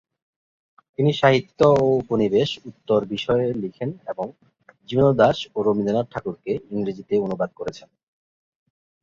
তিনি সাহিত্য ও উপনিবেশ-উত্তর বিষয়ে লিখেন এবং জীবনানন্দ দাশ ও রবীন্দ্রনাথ ঠাকুরকে ইংরেজিতে অনুবাদ করেছেন।